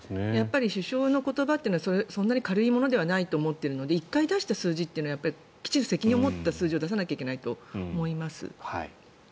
首相の言葉というのはそんなに軽いものだとは思っていないので１回出した数字というのはきちんと責任を持った数字を出さないといけないと思います。